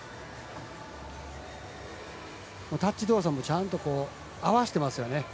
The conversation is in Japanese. タッチ動作もちゃんと合わせてますよね。